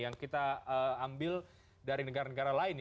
yang kita ambil dari negara negara lain